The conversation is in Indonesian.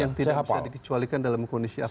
yang tidak bisa dicualikan dalam kondisi apapun